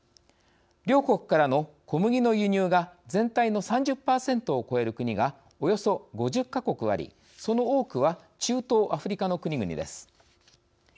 両国からの小麦の輸入が全体の３０％を超える国がおよそ５０か国あり、その多くは中東・アフリカの国々です。